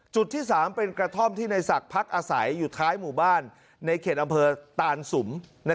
จุดที่๓เป็นกระท่อมที่ในศักดิ์พักอาศัยอยู่ท้ายหมู่บ้านในเขตอำเภอตานสุม